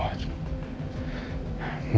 saya harus pergi dulu